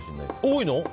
多いの？